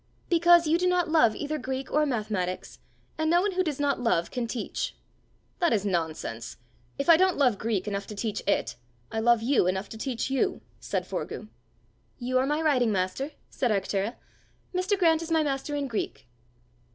"Because you do not love either Greek or mathematics, and no one who does not love can teach." "That is nonsense! If I don't love Greek enough to teach it, I love you enough to teach you," said Forgue. "You are my riding master," said Arctura; "Mr. Grant is my master in Greek."